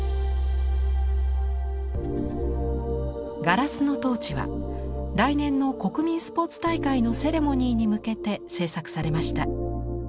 「ガラスのトーチ」は来年の国民スポーツ大会のセレモニーに向けて制作されました。